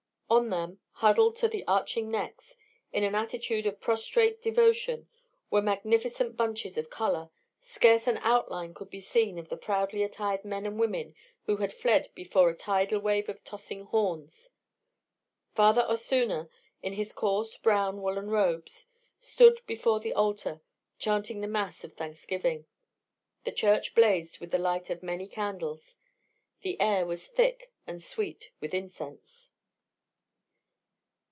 On them, huddled to the arching necks, in an attitude of prostrate devotion, were magnificent bunches of colour; scarce an outline could be seen of the proudly attired men and women who had fled before a tidal wave of tossing horns. Father Osuna, in his coarse brown woollen robes, stood before the altar, chanting the mass of thanksgiving. The church blazed with the light of many candles. The air was thick and sweet with incense.